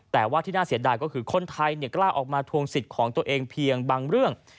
แต่ว่าที่น่าเสียดายก็คือคนไทยกล้าออกมาทวงสิทธิ์ของตัวเองเพียงบางเรื่อง